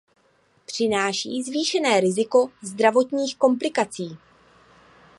Přináší zvýšené riziko zdravotních komplikací.